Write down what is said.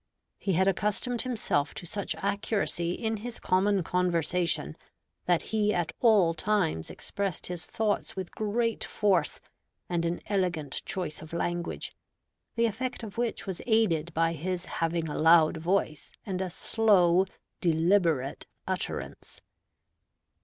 He had accustomed himself to such accuracy in his common conversation, that he at all times expressed his thoughts with great force and an elegant choice of language, the effect of which was aided by his having a loud voice and a slow deliberate utterance.